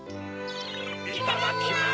いただきます！